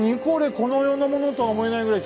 この世のものとは思えないぐらいきれいですね